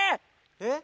えっ？